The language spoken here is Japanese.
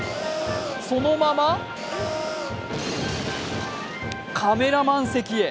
そのままカメラマン席へ。